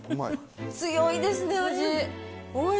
強いですね、味。